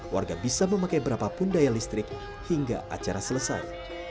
warga bisa memakai berapapun daya listrik hingga acara selesai